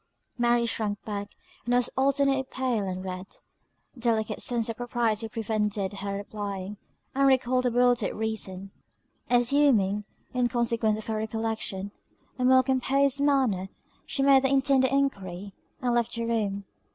Mary shrunk back, and was alternately pale and red. A delicate sense of propriety prevented her replying; and recalled her bewildered reason. Assuming, in consequence of her recollection, a more composed manner, she made the intended enquiry, and left the room.